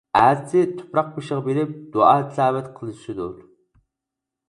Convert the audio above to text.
ئەتىسى تۇپراق بېشىغا بېرىپ دۇئا-تىلاۋەت قىلىشىدۇ.